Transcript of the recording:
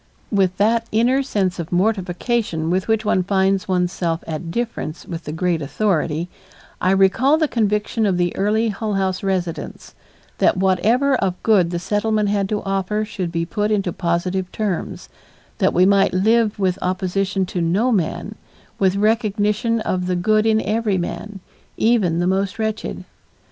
With that inner sense of mortification with which one finds one's self at difference with the great authority, I recalled the conviction of the early Hull House residents; that whatever of good the Settlement had to offer should be put into positive terms, that we might live with opposition to no man, with recognition of the good in every man, even the most wretched.